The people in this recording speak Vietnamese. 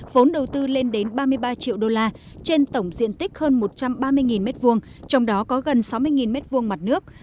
vốn đầu tư lên đến ba mươi ba triệu đô la trên tổng diện tích hơn một trăm ba mươi m hai trong đó có gần sáu mươi m hai mặt nước